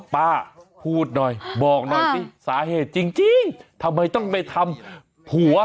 ป้าพูดหน่อยบอกหน่อยสิสาเหตุจริงทำไมต้องไปทำผัว